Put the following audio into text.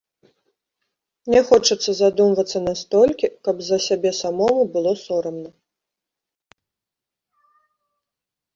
Не хочацца задумвацца настолькі, каб за сябе самому было сорамна.